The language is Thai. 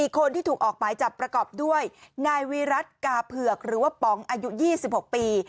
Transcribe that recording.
คนที่ถูกออกหมายจับประกอบด้วยนายวิรัติกาเผือกหรือว่าป๋องอายุ๒๖ปี